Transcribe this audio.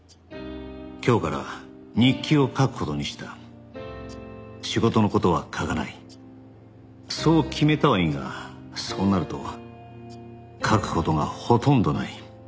「今日から日記を書く事にした」「仕事の事は書かないそう決めたはいいがそうなると書く事がほとんどない」